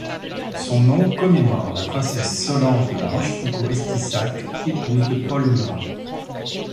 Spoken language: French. Son nom commémore la princesse Solange de La Rochefoucauld-Estissac, épouse de Paul Murat.